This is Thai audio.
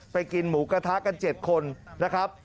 กินหมูกระทะกัน๗คนนะครับ